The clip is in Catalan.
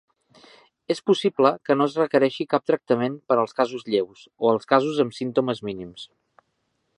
És possible que no es requereixi cap tractament per als casos lleus o els casos amb símptomes mínims.